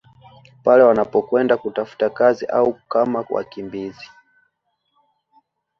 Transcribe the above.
Pale wanapokwenda kutafuta kazi au kama wakimbizi